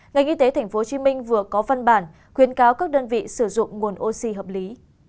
ngành y tế tp hcm vừa có văn bản khuyến cáo các đơn vị sử dụng nguồn oxy hợp lý